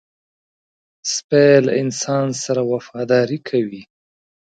سپي له انسان سره وفاداري کوي.